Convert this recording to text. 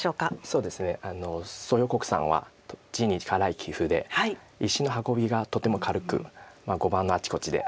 そうですね蘇耀国さんは地に辛い棋風で石の運びがとても軽く碁盤のあちこちで躍動しちゃいます。